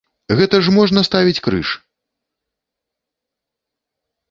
Гэта ж можна ставіць крыж!